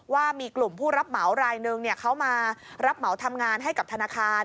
ว่ามีกลุ่มผู้รับเหมารายนึงเขามารับเหมาทำงานให้กับธนาคาร